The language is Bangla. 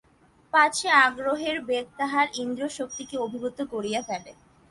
পাছে আগ্রহের বেগ তাহার ইন্দ্রিয়শক্তিকে অভিভূত করিয়া ফেলে।